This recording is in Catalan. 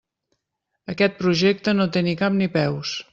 Aquest projecte no té ni cap ni peus.